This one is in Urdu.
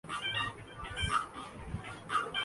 سب پوچھیں تھے احوال جو کوئی درد کا مارا گزرے تھا